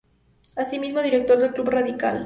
Asimismo, director del Club Radical.